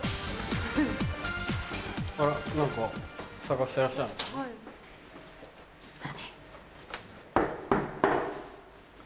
あら何か探してらっしゃるのかな。